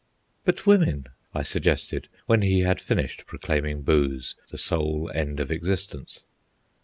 "But women," I suggested, when he had finished proclaiming booze the sole end of existence.